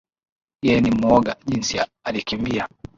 Yeye ni mwoga jinsi alikimbia